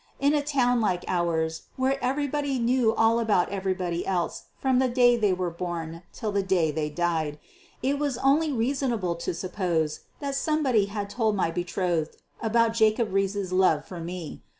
In a town like ours, where everybody knew all about everybody else from the day they were born till the day they died, it was only reasonable to suppose that somebody had told my betrothed about Jacob Riis's love for me.